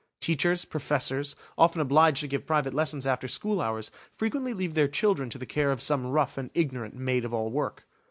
Teachers, professors, often obliged to give private lessons after school hours, frequently leave their children to the care of some rough and ignorant maid of all work.